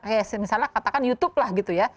eh misalnya katakan youtube lah gitu ya